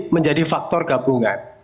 menjadi faktor gabungan